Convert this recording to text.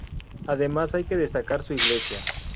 Además hay que destacar su iglesia.